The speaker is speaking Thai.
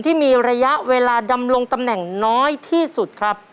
ที่มีระยะเวลาดำรงตำแหน่งน้อยที่สุดครับ